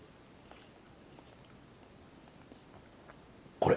これ！